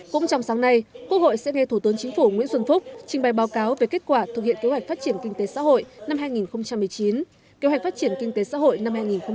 cũng trong sáng nay quốc hội sẽ nghe thủ tướng chính phủ nguyễn xuân phúc trình bày báo cáo về kết quả thực hiện kế hoạch phát triển kinh tế xã hội năm hai nghìn một mươi chín kế hoạch phát triển kinh tế xã hội năm hai nghìn hai mươi